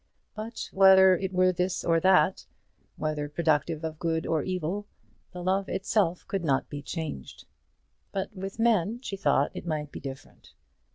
But whether it were this or that, whether productive of good or evil, the love itself could not be changed. But with men she thought it might be different.